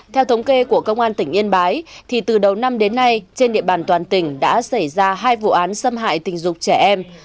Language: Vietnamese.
theo thống kê của công an tỉnh yên bái thì từ đầu năm đến nay trên địa bàn toàn tỉnh đã xảy ra hai vụ án xâm hại tình dục trẻ em